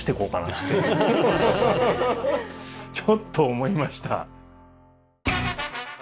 ちょっと思いました。